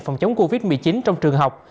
phòng chống covid một mươi chín trong trường học